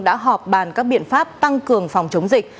đã họp bàn các biện pháp tăng cường phòng chống dịch